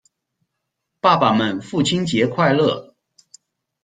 爸爸們父親節快樂！